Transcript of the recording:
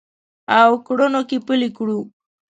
او کړنو کې پلي کړو